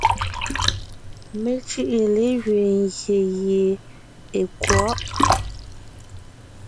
Mé cʉ́ʼʉ légẅiin ngyè gie è kwɔ̌ʼ.